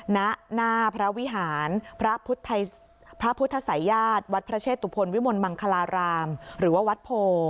ณหน้าพระวิหารพระพุทธศัยญาติวัดพระเชษตุพลวิมลมังคลารามหรือว่าวัดโพ